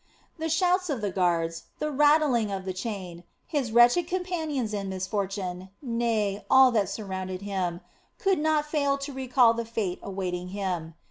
The shouts of the guards, the rattling of the chain, his wretched companions in misfortune, nay, all that surrounded him, could not fail to recall the fate awaiting him.